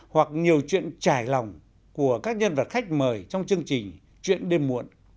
hoặc nhiều chuyện trải lòng của các nhân vật khách mời trong chương trình chuyện đêm muộn